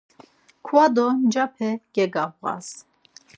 Kva do ncape gegabğas!